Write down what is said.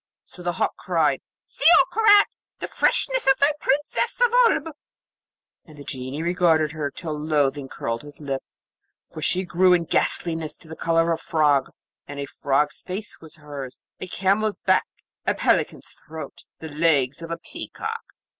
So the hawk cried, 'See, O Karaz, the freshness of thy Princess of Oolb'; and the Genie regarded her till loathing curled his lip, for she grew in ghastliness to the colour of a frog, and a frog's face was hers, a camel's back, a pelican's throat, the legs of a peacock.